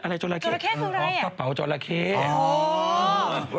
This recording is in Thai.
อะไรจละเข้กระเป๋าจละเข้อ๋อจละเข้คืออะไร